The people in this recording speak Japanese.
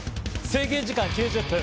制限時間９０分。